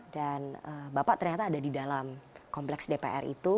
dan bapak ternyata ada di dalam kompleks dpr itu